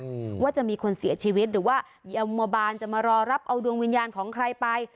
อืมว่าจะมีคนเสียชีวิตหรือว่ายำมบาลจะมารอรับเอาดวงวิญญาณของใครไป